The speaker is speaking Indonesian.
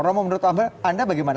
romo menurut anda bagaimana